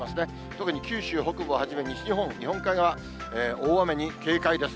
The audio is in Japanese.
特に九州北部をはじめ、西日本、日本海側、大雨に警戒です。